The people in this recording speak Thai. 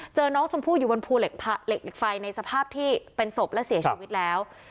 เจอน้องชมพู่อยู่บนภูเหล็กไฟในสภาพที่เป็นศพและเสียชีวิตแล้ว